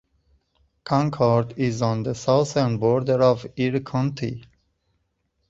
Concord is on the southern border of Erie County.